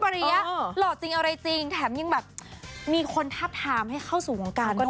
หล่อจริงอะไรจริงแถมยังแบบมีคนทับทามให้เข้าสู่วงการด้วยนะคะ